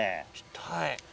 はい。